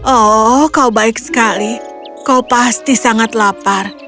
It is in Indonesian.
oh kau baik sekali kau pasti sangat lapar